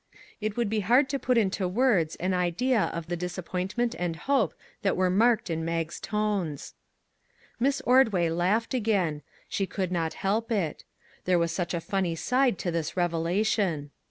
It would be hard to put into words an idea of the disappointment and hope that were marked in Mag's tones. Miss Ordway laughed again; she could not help it; there was such a funny side to this revelation.